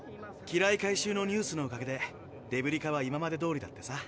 機雷回収のニュースのおかげでデブリ課は今までどおりだってさ。